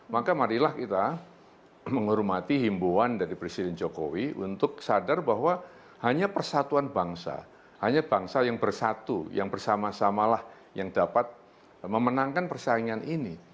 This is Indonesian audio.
maka marilah kita menghormati himbuan dari presiden jokowi untuk sadar bahwa hanya persatuan bangsa hanya bangsa yang bersatu yang bersama samalah yang dapat memenangkan persaingan ini